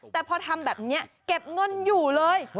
แต่พอทำแบบนี้เก็บเงินอยู่เลย